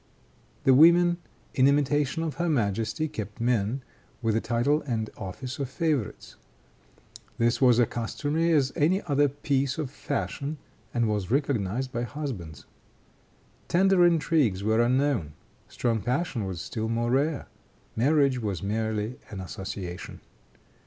The women, in imitation of her majesty, kept men, with the title and office of favorites. This was as customary as any other piece of fashion, and was recognized by husbands. Tender intrigues were unknown; strong passion was still more rare; marriage was merely an association.